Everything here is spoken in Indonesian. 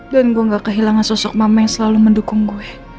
dan gue gak kehilangan sosok mama yang selalu mendukung gue